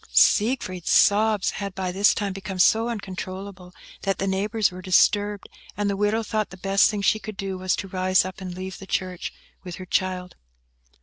.... Siegfried's sobs had by this time become so uncontrollable, that the neighbours were disturbed; and the widow thought the best thing she could do, was to rise up and leave the church with her child.